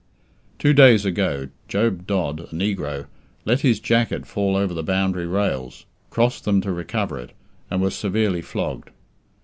Two days ago Job Dodd, a negro, let his jacket fall over the boundary rails, crossed them to recover it, and was severely flogged.